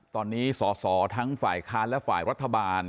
ตอนนี้สอสอทั้งฝ่ายค้านและฝ่ายรัฐบาล